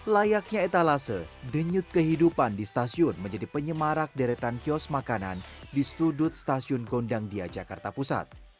layaknya etalase denyut kehidupan di stasiun menjadi penyemarak deretan kios makanan di sudut stasiun gondang dia jakarta pusat